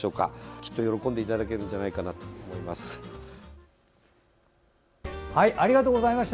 きっと喜んでいただけるんじゃないかなと思います。